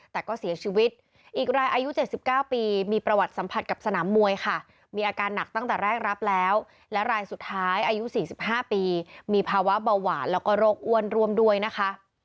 แต่ก็เสียชีวิตอีกรายอายุ๗๙ปีมีประวัติสัมผัสกับสนามมวยค่ะมีอาการหนักตั้งแต่แรกรับแล้วและรายสุดท้ายอายุ๔๕ปีมีภาวะเบาหวานแล้วก็โรคอ้วนร่วมด้วยนะคะ